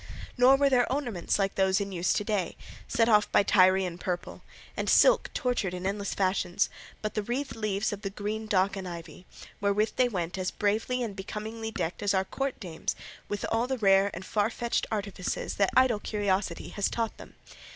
Nor were their ornaments like those in use to day, set off by Tyrian purple, and silk tortured in endless fashions, but the wreathed leaves of the green dock and ivy, wherewith they went as bravely and becomingly decked as our Court dames with all the rare and far fetched artifices that idle curiosity has taught them.